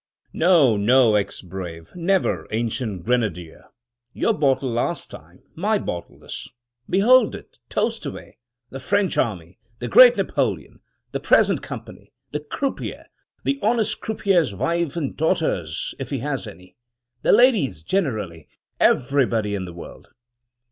"No, no, ex brave; never — ancient grenadier! Your bottle last time; my bottle this. Behold it! Toast away! The French Army! the great Napoleon! the present company! the croupier! the honest croupier's wife and daughters — if he has any! the Ladies generally! everybody in the world!"